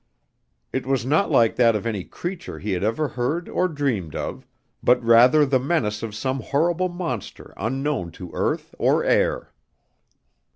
It was not like that of any creature he had ever heard or dreamed of, but rather the menace of some horrible monster unknown to earth or air.